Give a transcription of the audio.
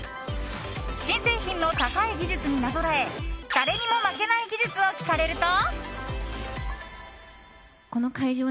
新製品の高い技術になぞらえ誰にも負けない技術を聞かれると。